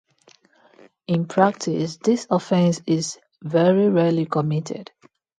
In practice, this offence is very rarely committed.